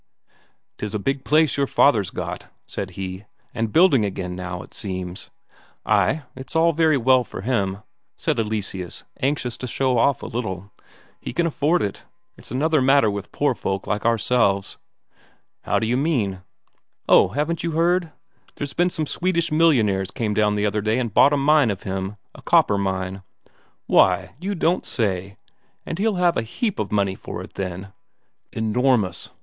"'Tis a big place your father's got," said he. "And building again, now, it seems." "Ay, it's all very well for him," said Eleseus, anxious to show off a little. "He can afford it. It's another matter with poor folk like ourselves." "How d'you mean?" "Oh, haven't you heard? There's been some Swedish millionaires came down the other day and bought a mine of him, a copper mine." "Why, you don't say? And he'll have got a heap of money for it, then?" "Enormous.